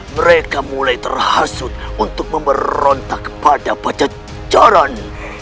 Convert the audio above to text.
mereka mulai terhasut untuk memberontak kepada pecah jalan